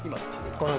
これ。